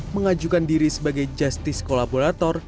mengajukan diri sebagai justice kolaborator